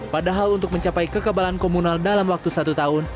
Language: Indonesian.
padahal untuk mencapai kekebalan komunal dalam waktu satu tahun